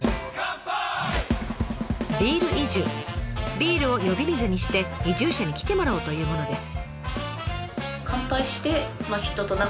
ビールを呼び水にして移住者に来てもらおうというものです。